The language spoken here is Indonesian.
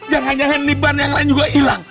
jangan jangan ini ban yang lain juga hilang